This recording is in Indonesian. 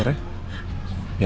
saat ini blue